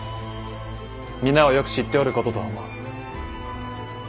皆はよく知っておることと思う。